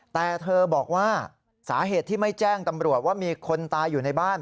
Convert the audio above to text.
แต่เธอบอกว่าสาเหตุที่ไม่แจ้งตำรวจว่ามีคนตายอยู่ในบ้าน